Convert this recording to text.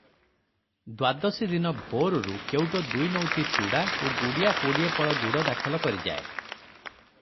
ଦ୍ଵାଦଶୀ ଦିନ ଭୋରରୁ କେଉଟ ଦୁଇନଉତି ଚୂଡ଼ା ଓ ଗୁଡ଼ିଆ କୋଡ଼ିଏପଳ ଗୁଡ଼ ଦାଖଲ କରିଯାଏ ।